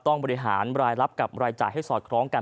ต้องบริหารรายรับกับรายจ่ายให้สอดคล้องกัน